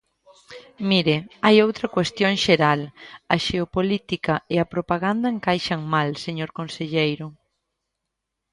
Mire, hai outra cuestión xeral: a xeopolítica e a propaganda encaixan mal, señor conselleiro.